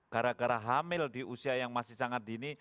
gara gara hamil di usia yang masih sangat dini